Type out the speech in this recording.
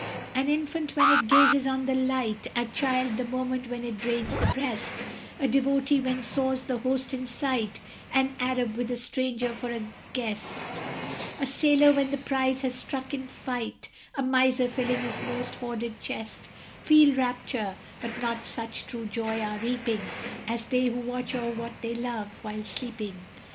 An infant when it gazes on the light, A child the moment when it drains the breast A devotee when soars the Host in sight, An Arab with a stranger for a guest, A sailor when the prize has struck in fight, A miser filling his most hoarded chest, Feel rapture; but not such true joy are reaping, As they who watch o'er what they love while sleeping.